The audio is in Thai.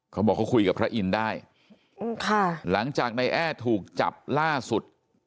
เขาบอกเขาคุยกับพระอินทร์ได้ค่ะหลังจากนายแอ้ถูกจับล่าสุด